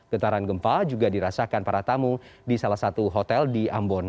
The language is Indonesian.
getaran gempa juga dirasakan para tamu di salah satu hotel di ambon